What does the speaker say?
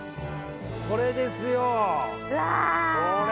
これですよこれ！